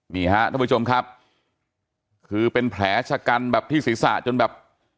นี่ฮะท่านผู้ชมครับคือเป็นแผลชะกันแบบที่ศีรษะจนแบบ